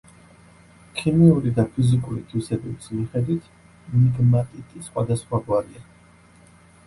ქიმიური და ფიზიკური თვისებების მიხედვით მიგმატიტი სხვადასხვაგვარია.